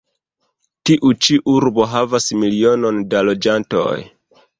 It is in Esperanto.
Tiu ĉi urbo havas milionon da loĝantoj.